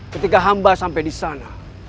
ketika hamba sampai disana